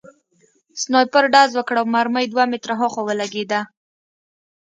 سنایپر ډز وکړ او مرمۍ دوه متره هاخوا ولګېده